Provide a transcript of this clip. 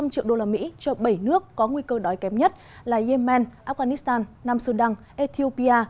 một trăm linh triệu đô la mỹ cho bảy nước có nguy cơ đói kém nhất là yemen afghanistan nam sudan ethiopia